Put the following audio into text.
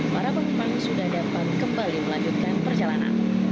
para penumpang sudah dapat kembali melanjutkan perjalanan